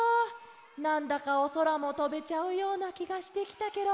なんだかおそらもとべちゃうようなきがしてきたケロ。